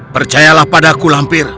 percayalah padaku lampir